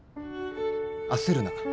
焦るな。